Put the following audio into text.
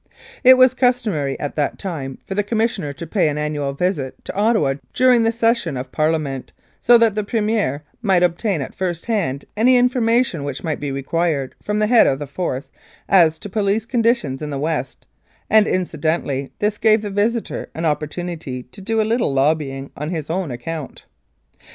It was customary at that time for the Commissioner to pay an annual visit to Ottawa during the session of Parliament, so that the Premier might obtain, at first hand, any information which might be required from the head of the Force as to police con ditions in the West, and, incidentally, this gave the visitor an opportunity to do a little "lobbying" on his own account.